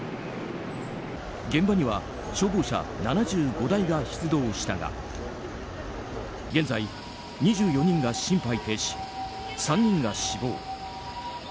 現場には消防車７５台が出動したが現在、２４人が心肺停止３人が死亡。